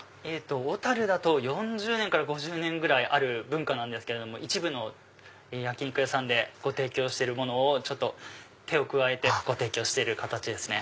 小だと４０年から５０年ある文化なんですけれども一部の焼き肉屋さんでご提供してるものをちょっと手を加えてご提供してる形ですね。